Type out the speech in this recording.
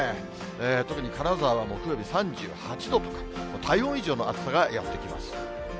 特に金沢は木曜日３８度とか、体温以上の暑さがやって来ます。